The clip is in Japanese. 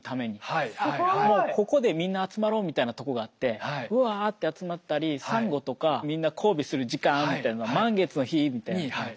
ここでみんな集まろうみたいなとこがあってうわって集まったりサンゴとかみんな交尾する時間みたいなのが満月の日みたいに。